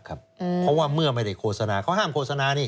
เพราะว่าเมื่อไม่ได้โฆษณาเขาห้ามโฆษณานี่